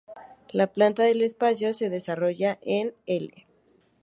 La planta del palacio se desarrolla en "L".